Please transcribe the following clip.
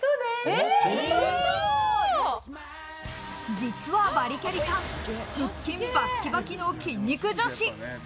実はバリキャリさん、腹筋バッキバキの筋肉女子。